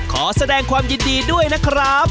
ขอแสดงความยินดีด้วยนะครับ